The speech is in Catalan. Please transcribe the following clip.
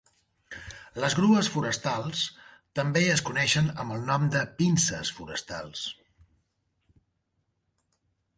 Les grues forestals també es coneixen amb el nom de pinces forestals.